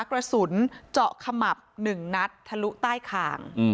กระสุนเจาะขมับ๑นัดทะลุใต้คาง